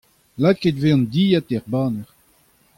Lakaet e vez an dilhad er baner.